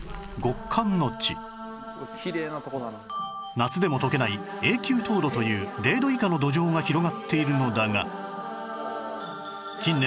夏でも解けない「永久凍土」という０度以下の土壌が広がっているのだが